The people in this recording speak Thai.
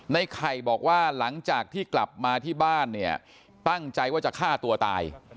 ในไข่บอกว่าหลังจากที่กลับมาที่บ้านเนี่ยตั้งใจว่าจะฆ่าตัวตาย